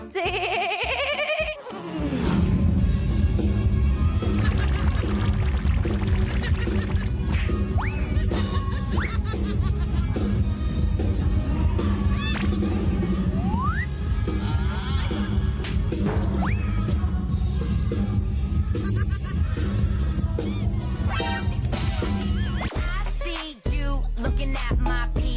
ไซม์